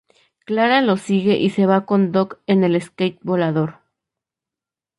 Clara los sigue y se va con Doc en el skate volador.